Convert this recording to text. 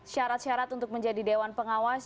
syarat syarat untuk menjadi dewan pengawas